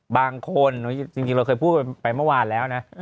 บางคนจริงเราเคยพูดไปเมื่อวานแล้วนะ